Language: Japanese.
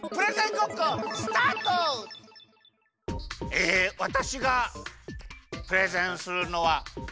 えわたしがプレゼンするのはこれです！